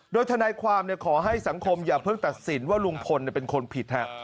โดยทนายความขอให้สังคมอย่าเพิ่งตัดสินว่าลุงพลเป็นคนผิด